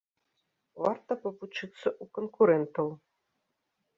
Варта павучыцца ў канкурэнтаў.